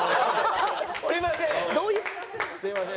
「すいません